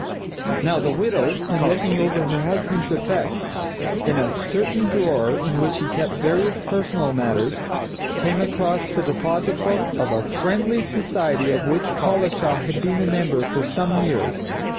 Now, the widow, in looking over her husband's effects, in a certain drawer in which he kept various personal matters, came across the deposit book of a Friendly Society of which Collishaw had been a member for some years.